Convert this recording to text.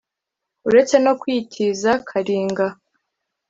Uretse no kuyitiza Karinga